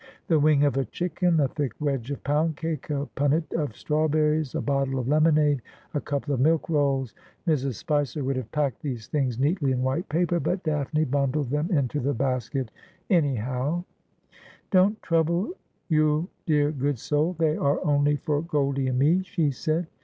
The wing of a chicken ; a thick wedge of pound cake ; a punnet of strawberries ; a bottle of lemonade ; a couple of milk rolls. Mrs. Spicer would have packed these things neatly in white paper, but Daphne bundled them into the basket anyhow. ^God wote that Worldly Joy is sone Ago.' 97 ' Don't trouble, you dear good soul ; they are only for G oldie and me,' she said.